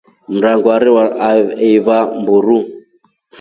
Mrango arewa aeva mburu.